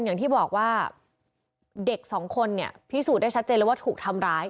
อย่างที่บอกว่าเด็กสองคนเนี่ยพิสูจน์ได้ชัดเจนเลยว่าถูกทำร้าย